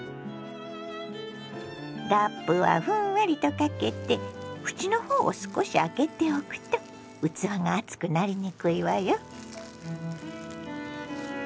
ラップはふんわりとかけて縁の方を少し開けておくと器が熱くなりにくいわよ。